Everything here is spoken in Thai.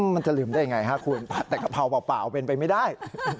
มันจะลืมได้ยังไงฮะคุณแต่กะเพราเปล่าเป็นไปไม่ได้